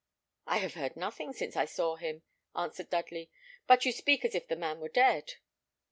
"I have heard nothing since I saw him," answered Dudley. "But you speak as if the man were dead."